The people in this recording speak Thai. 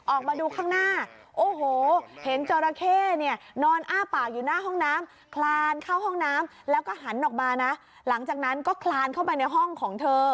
ออกมาดูข้างหน้าโอ้โห